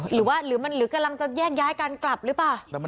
หรือมันหรือกำลังจะแยกย้ายกันกลับหรือเปล่า